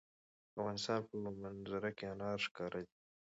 د افغانستان په منظره کې انار ښکاره ده.